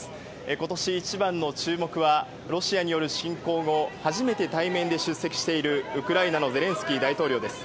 今年一番の注目はロシアによる侵攻後初めて対面で出席しているウクライナのゼレンスキー大統領です。